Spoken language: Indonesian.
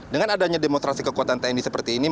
dengan adanya demonstrasi kekuatan tni seperti ini